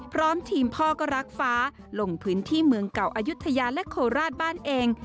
พร้อมทีมพ่อก็รักฟ้าลงพื้นที่เมืองเก่าอายุทยาและโคราชบ้านเอง